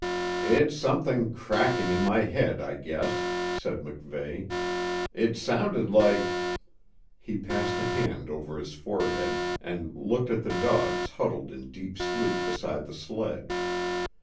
"It's something cracking in my head, I guess," said MacVeigh. "It sounded like " He passed a hand over his forehead and looked at the dogs huddled in deep sleep beside the sledge.